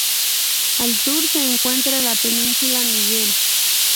Al sur se encuentra la península Miguel.